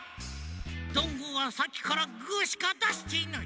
どんぐーはさっきからグーしかだしていない。